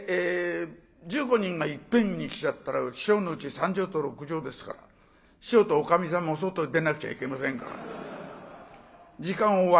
で１５人がいっぺんに来ちゃったら師匠のうち３畳と６畳ですから師匠とおかみさんも外へ出なくちゃいけませんから時間を割りまして若い者順にって。